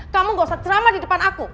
kamu gak usah ceramah di depan aku